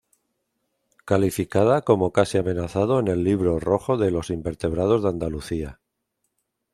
Calificada como casi amenazado en el Libro Rojo de los Invertebrados de Andalucía.